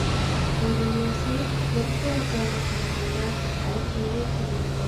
تور دۇنياسى مەتبۇئاتلارغا قارىغاندا ئەركىنرەك كېلىدىكەن.